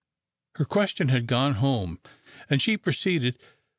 '"] Her question had gone home, and she proceeded.